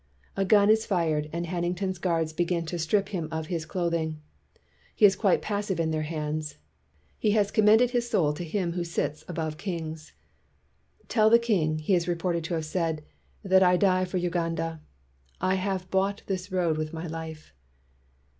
A gun is fired, and Hanning ton's guards begin to strip him of his cloth ing. He is quite passive in their hands. He has commended his soul to Him who sits above kings. 'Tell the king,' — he is re ported to have said, — 'that I die for Uganda. I have bought this road with my life.